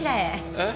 えっ？